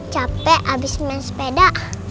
capek abis main sepeda